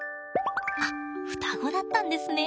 あっ双子だったんですね！